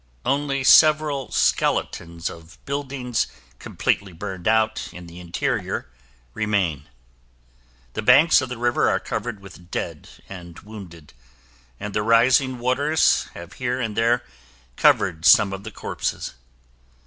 Only several skeletons of buildings completely burned out in the interior remain. The banks of the river are covered with dead and wounded, and the rising waters have here and there covered some of the corpses.